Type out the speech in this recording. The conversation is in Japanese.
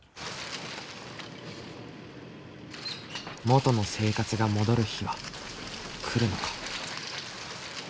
元の生活が戻る日は来るのか。